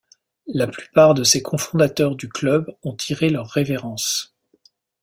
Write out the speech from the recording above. La plupart de ces cofondateurs du club ont tiré leur révérence.